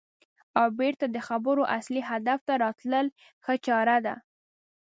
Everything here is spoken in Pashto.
او بېرته د خبرو اصلي هدف ته راتلل ښه چاره ده.